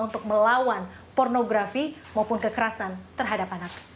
untuk melawan pornografi maupun kekerasan terhadap anak